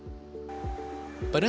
pada saat ini